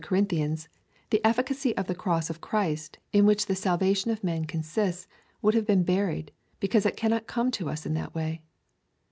75 Corinthians, the efficacy of the cross of Christ, in which the salvation of men consists, would have been buried, because it cannot come to us in that way.